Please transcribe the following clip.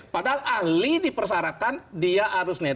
padahal ahli dipersyaratkan dia harus netral